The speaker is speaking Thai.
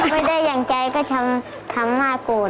ไม่ได้อย่างใจก็ทำหน้าโกรธ